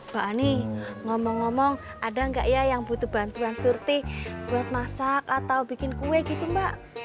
mbak ani ngomong ngomong ada nggak ya yang butuh bantuan surti buat masak atau bikin kue gitu mbak